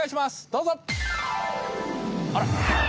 どうぞ。